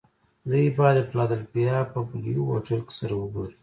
دوی باید د فلادلفیا په بلوویو هوټل کې سره و ګوري